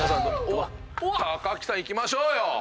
木さんいきましょうよ！